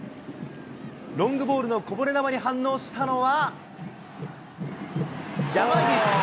ロングボールのこぼれ球に反応したのは、山岸。